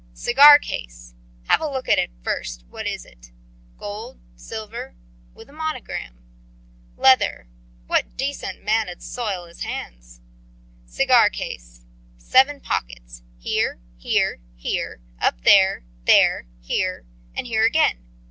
Cigar case. Have a look first what it is gold, silver with a monogram. Leather what decent man'd soil his hands? Cigar case. Seven pockets: here, here, here, up there, there, here and here again.